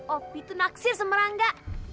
opi itu naksir sama rangga